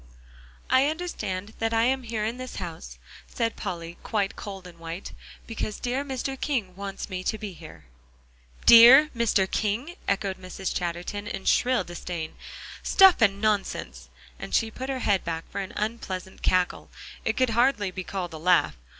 "I understand that I am here in this house," said Polly, quite cold and white, "because dear Mr. King wants me to be here." "DEAR Mr. King!" echoed Mrs. Chatterton, in shrill disdain. "Stuff and nonsense," and she put her head back for an unpleasant cackle; it could hardly be called a laugh.